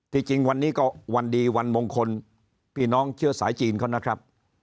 จริงวันนี้ก็วันดีวันมงคลพี่น้องเชื้อสายจีนเขานะครับ